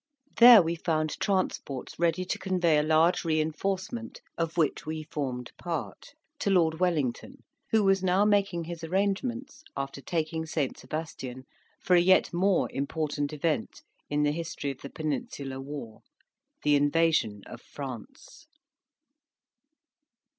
There we found transports ready to convey a large reinforcement, of which we formed part, to Lord Wellington, who was now making his arrangements, after taking St. Sebastian, for a yet more important event in the history of the Peninsular War the invasion of France.